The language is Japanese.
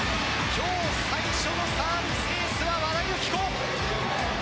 今日、最初のサービスエースは和田由紀子。